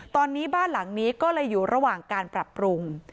ตอนนี้บ้านหลังนี้ก็เลยอยู่ระหว่างการปรับปรุง